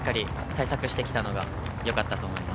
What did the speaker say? しっかり対策してきたのがよかったと思います。